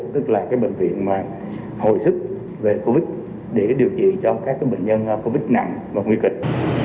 tức là bệnh viện hồi sức về cúi để điều trị cho các bệnh nhân covid nặng và nguy kịch